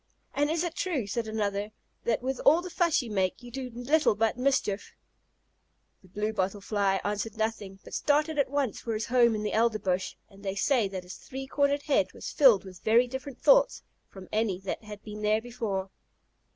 "And is it true," said another, "that with all the fuss you make, you do little but mischief?" The Blue bottle Fly answered nothing, but started at once for his home in the elder bush, and they say that his three cornered head was filled with very different thoughts from any that had been there before.